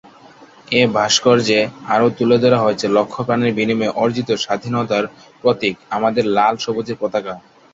এ ভাস্কর্যে আরো তুলে ধরা হয়েছে লক্ষ প্রাণের বিনিময়ে অর্জিত স্বাধীনতার প্রতীক আমাদের লাল সবুজের পতাকা।